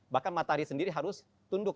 bahkan matahari sendiri harus tunduk